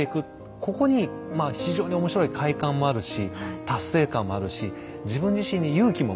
ここに非常に面白い快感もあるし達成感もあるし自分自身に勇気も持ってもらえる。